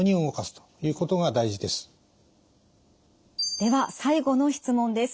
では最後の質問です。